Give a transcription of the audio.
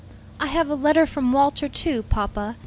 "I have a letter from Walter too, papa.